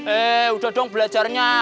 eh udah dong belajarnya